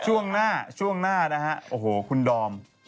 ช่วงหน้าช่วงหน้านะฮะโอ้โหคุณดอม